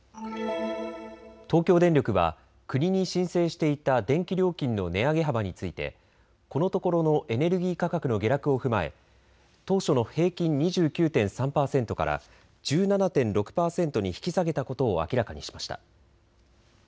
東京電力は国に申請していた電気料金の値上げ幅についてこのところのエネルギー価格の下落を踏まえ当初の平均２９．３％から１７．６％に引き下げたことを明らかにしました。